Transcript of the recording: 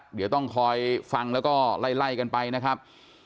เดี๋ยวต้องคอยฟังแล้วก็ไล่กันไปนะครับ